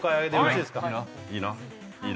いいな？